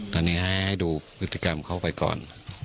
ตอนนี้ให้ดูพฤติกรรมเขาไปก่อน